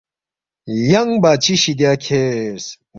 ینگ بادشی شِدیا کھیرس